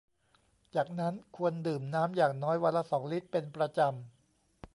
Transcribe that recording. จากนั้นควรดื่มน้ำอย่างน้อยวันละ สอง ลิตรเป็นประจำ